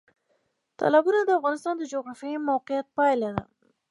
تالابونه د افغانستان د جغرافیایي موقیعت پایله ده.